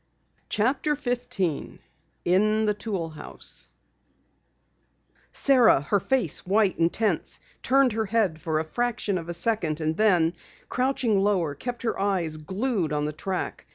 CHAPTER 15 IN THE TOOL HOUSE Sara, her face white and tense, turned her head for a fraction of a second and then, crouching lower, kept her eyes glued on the track.